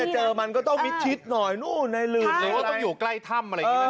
เจอมันก็ต้องมิดชิดหน่อยนู่นในหลืมหรือว่าต้องอยู่ใกล้ถ้ำอะไรอย่างนี้